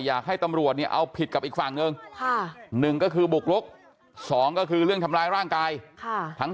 อยากให้ตำรวจเนี่ยเอาผิดกับอีกฝั่งนึง